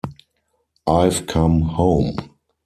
I've come home.